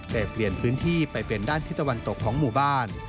แต่เปลี่ยนพื้นที่ไปเป็นด้านทิศตะวันตกของหมู่บ้าน